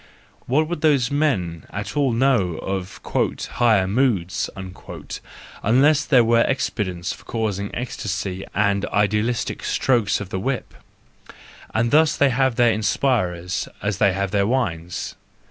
What would those men at all know of " higher moods," unless there were expedients for causing ecstasy and idealistic strokes of the whip!—and thus they have their inspirers as they have their wines.